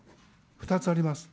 ２つあります。